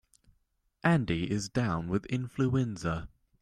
Andy is down with influenza.